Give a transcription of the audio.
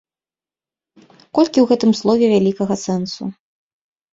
Колькі ў гэтым слове вялікага сэнсу!